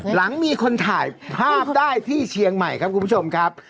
หลังมีคนถ่ายภาพได้ที่เชียงใหม่ครับคุณผู้ชมครับ